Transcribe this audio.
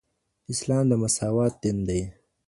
اسلام د مساوات دین دی.